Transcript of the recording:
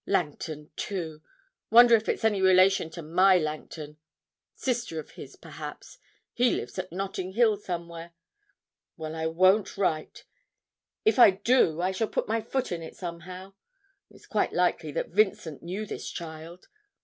Langton, too wonder if it's any relation to my Langton sister of his, perhaps he lives at Notting Hill somewhere. Well, I won't write; if I do I shall put my foot in it somehow.... It's quite likely that Vincent knew this child.